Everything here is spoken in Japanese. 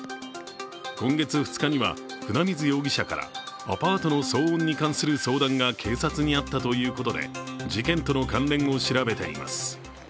今月２日には船水容疑者からアパートの騒音に関する相談が警察にあったということで事件との関連を調べています。